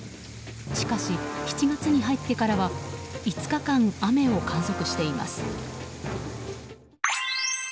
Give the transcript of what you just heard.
しかし、７月に入ってからは５日間、雨を観測しています。